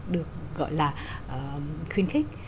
được gọi là khuyến khích